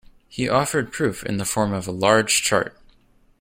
He offered proof in the form of a large chart.